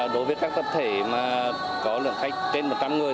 đối với các tập thể mà có lượng khách trên một trăm linh người